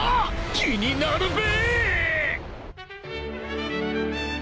［気になるべ！］